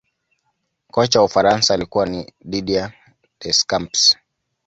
kocha wa ufaransa alikuwa ni didier deschamps